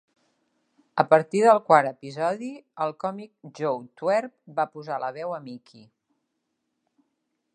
A partir del quart episodi, el còmic Joe Twerp va posar la veu a Mickey.